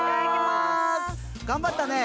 頑張ったね！